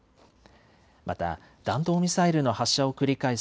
また、弾道ミサイルの発射を繰り返す